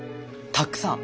たっくさん。